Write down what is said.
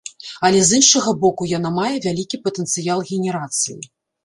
Але з іншага боку, яна мае вялікі патэнцыял генерацыі.